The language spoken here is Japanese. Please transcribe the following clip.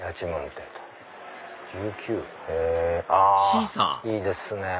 あいいですねぇ。